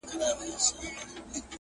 په موسم د پسرلي کي د سرو ګلو!!